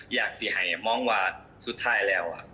อยากเสียหายมองว่าสุดท้ายแล้ว